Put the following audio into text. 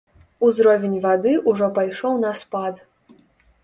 Узровень вады ўжо пайшоў на спад.